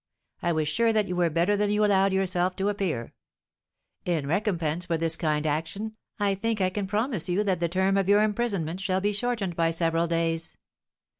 I was sure that you were better than you allowed yourself to appear. In recompense for this kind action, I think I can promise you that the term of your imprisonment shall be shortened by several days."